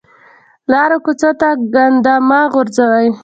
لارو کوڅو ته ګند مه غورځوئ